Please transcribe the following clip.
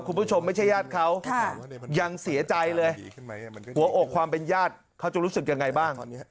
คุณผู้ชมไม่ใช่ญาติเขายังเสียใจเลยหัวอกความเป็นญาติเขาจะรู้สึกยังไงบ้าง